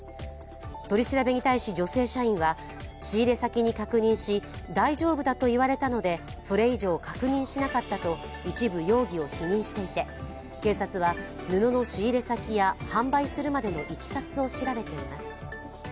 取り調べに対し女性社員は、仕入れ先に確認し、大丈夫だと言われたのでそれ以上、確認しなかったと一部、容疑を否認していて警察は布の仕入れ先や販売するまでのいきさつを調べています。